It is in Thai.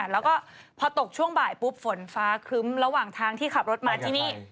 แล้วก็พอตกช่วงบ่ายปุ๊บฝนฟ้าครึ้มระหว่างทางที่ขับรถมาที่นี่